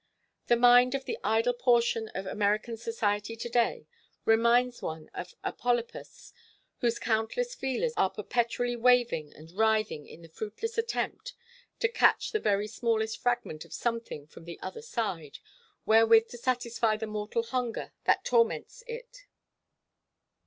The mind of the idle portion of American society to day reminds one of a polypus whose countless feelers are perpetually waving and writhing in the fruitless attempt to catch the very smallest fragment of something from the other side, wherewith to satisfy the mortal hunger that torments it.